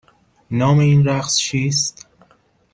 نام این رقص چیست؟